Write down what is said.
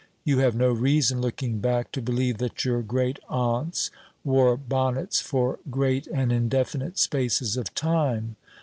You have no reason, looking back, to believe that your great aunts wore bonnets for great and indefinite spaces of time.